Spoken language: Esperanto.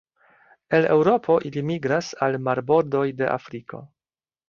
El Eŭropo ili migras al marbordoj de Afriko.